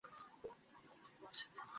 আমার সাথে শুয়োও নি?